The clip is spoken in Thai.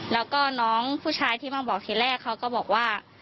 แล้วก็น้องผู้ชายที่มาบอกทีแรกเขาก็บอกว่า